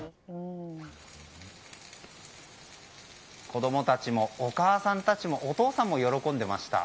子供たちもお母さんたちもお父さんも喜んでいました。